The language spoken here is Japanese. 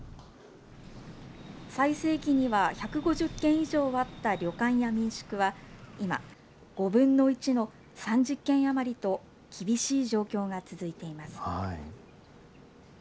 最盛期には１５０軒以上あった旅館や民宿は、今、５分の１の３０軒余りと、厳しい状況が続いています。